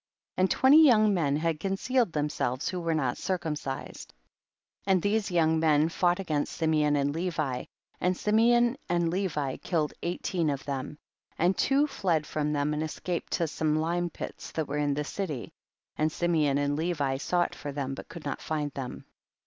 24. And twenty young men had concealed themselves who were not circumcised, and these young men fought against Simeon and Levi, and Simeon and Levi killed eighteen of them, and two fled from them and es caped to some lime pits that were in the city, and Simeon and Levi sought for them, but could not find them.